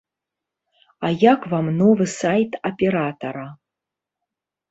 А як вам новы сайт аператара?